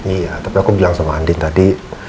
iya tapi aku bilang sama andin tadi